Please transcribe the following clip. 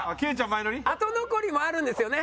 後残りもあるんですよね？